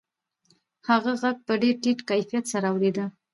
هغه غږ په ډېر ټیټ کیفیت سره اورېده